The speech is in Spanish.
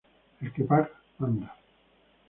El que paga, manda